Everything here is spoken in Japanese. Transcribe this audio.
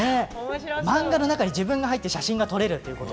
漫画の中に自分が入って写真が撮れる。